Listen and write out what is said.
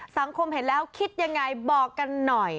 สังคมเห็นแล้วคิดยังไงบอกกันหน่อย